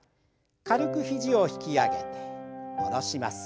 軽く肘を引き上げて下ろします。